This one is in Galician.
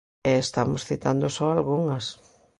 E estamos citando só algunhas.